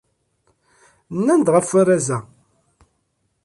Nnan-d ɣef warraz-a.